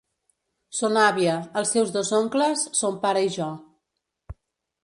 Son àvia, els seus dos oncles, son pare i jo.